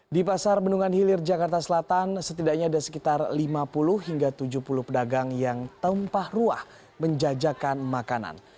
di pasar bendungan hilir jakarta selatan setidaknya ada sekitar lima puluh hingga tujuh puluh pedagang yang tumpah ruah menjajakan makanan